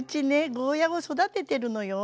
ゴーヤーを育ててるのよ。